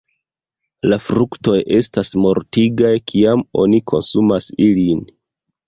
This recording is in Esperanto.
La fruktoj estas mortigaj, kiam oni konsumas ilin.